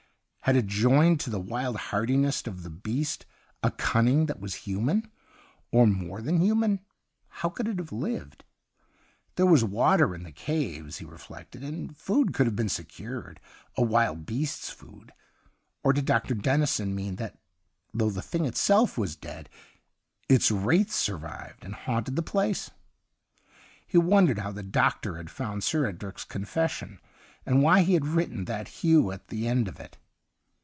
Had it joined to the wild hardiness of the beast a cunning that was human — or more than human ? How could it have lived ? There was water in the caves, he reflected, and food could have been secured — a wild beast's food. Or did Dr. Dennison mean that though the thing itself was dead, its wraith survived and haunted the place } He wondered how the doctor had found Sir Edric's confession, and 156 THE UNDYING THING why he had written that hue at the end of it.